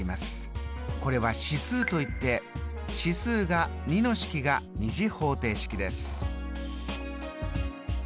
これは指数といって指数が２の式が２次方程式です。